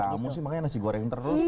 kamu sih makanya nasi goreng terus